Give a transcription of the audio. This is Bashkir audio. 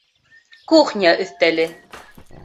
Кухня өҫтәле